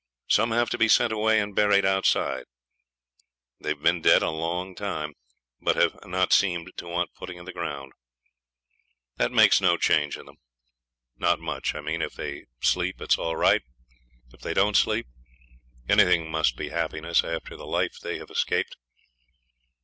Some have to be sent away and buried outside. They have been dead a long time, but have not seemed to want putting in the ground. That makes no change in them not much, I mean. If they sleep it's all right; if they don't sleep anything must be happiness after the life they have escaped.